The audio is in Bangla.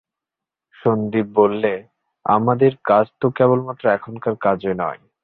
সন্দীপ বললে, আমাদের কাজ তো কেবলমাত্র এখনকার কাজই নয়।